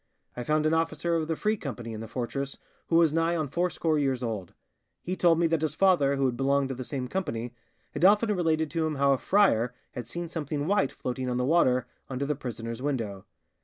I found an officer of the Free Company in the fortress who was nigh on fourscore years old; he told me that his father, who had belonged to the same Company, had often related to him how a friar had seen something white floating on the water under the prisoner's window.